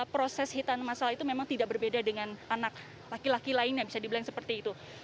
proses hitan masalah itu memang tidak berbeda dengan anak laki laki lainnya bisa dibilang seperti itu